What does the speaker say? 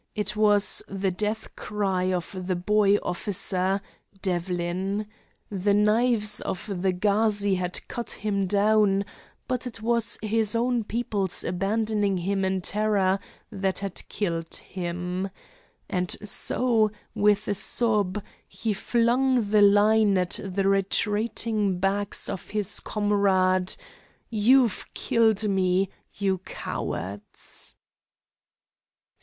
It was the death cry of the boy officer, Devlin. The knives of the Ghazi had cut him down, but it was his own people's abandoning him in terror that had killed him. And so, with a sob, he flung the line at the retreating backs of his comrades: "You've killed me, you cowards!"